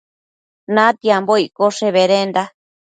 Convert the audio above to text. Natiambo iccoshe bedenda